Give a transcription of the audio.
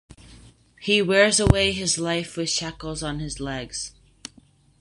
He wears away his life with shackles on his legs.